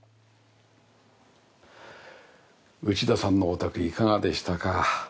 内田さんのお宅いかがでしたか？